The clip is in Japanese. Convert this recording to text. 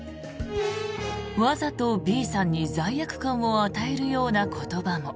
わざとＢさんに罪悪感を与えるような言葉も。